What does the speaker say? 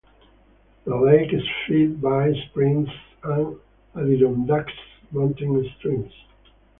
The lake is fed by springs and Adirondacks mountain streams.